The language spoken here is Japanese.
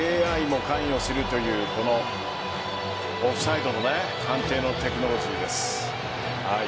ＡＩも関与するというオフサイドの判定のテクノロジーです。